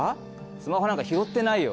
スマホなんか拾ってないよ。